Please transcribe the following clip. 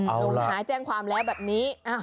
ลูกค้าแจ้งความแล้วแบบนี้